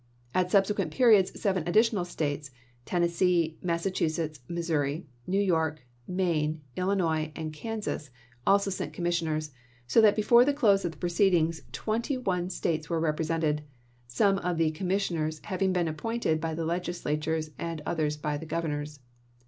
At sub sequent periods, seven additional States, Tennes see, Massachusetts, Missouri, New York, Maine, Chittenden, Illinois, and Kansas, also sent commissioners; so P4P65,466.' that before the close of the proceedings twenty one States were represented, some of the commission ers having been appointed by the Legislatures and others by the Governors.